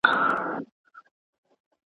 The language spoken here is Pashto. اسلامي اخلاق په خپل ځان کي پیدا کړئ.